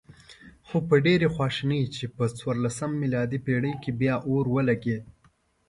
خو په ډېرې خواشینۍ چې په څلورمه میلادي پېړۍ کې بیا اور ولګېد.